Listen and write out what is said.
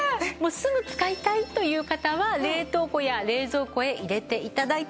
すぐ使いたいという方は冷凍庫や冷蔵庫へ入れて頂いても大丈夫です。